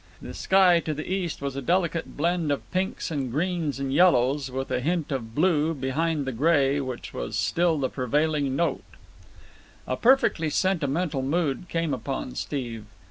The sky to the east was a delicate blend of pinks and greens and yellows, with a hint of blue behind the grey which was still the prevailing note. A vaguely sentimental mood came upon Steve.